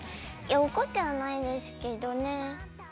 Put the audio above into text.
怒ってはいないですけどね。